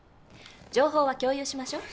情報は共有しましょう。